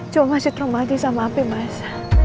cuma masih trauma aja sama api mas